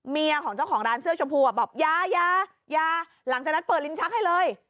ของเจ้าของร้านเสื้อชมพูอ่ะบอกยายายาหลังจากนั้นเปิดลิ้นชักให้เลย